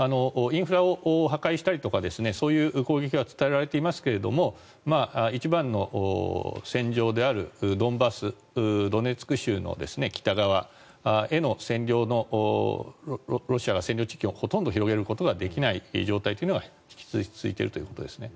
インフラを破壊したりとかそういう攻撃が伝えられていますけれど一番の戦場であるドンバス、ドネツク州の北側へのロシアが占領地域をほとんど広げることができない状態が引き続き続いているということですね。